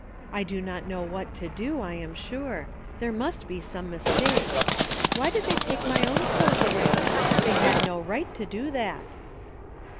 I do not know what to do, I am sure ; there must be some mistake. Why did they take my own clothes away? They had no right to do that."